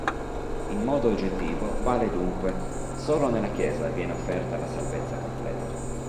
In modo oggettivo vale dunque: "Solo nella Chiesa viene offerta la salvezza completa".